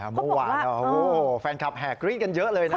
เมื่อวานหรอแฟนคลับแหกรีกกันเยอะเลยล่ะ